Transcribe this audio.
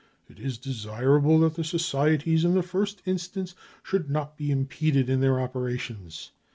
6 4 It is desirable that the societies in the first instance should not be impeded in their operations.